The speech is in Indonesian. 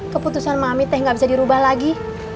keputusan mami teh nggak bisa dirubah lagi